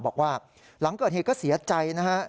บอกว่าหลังเกิดเหตุก็เสียใจนะฮะ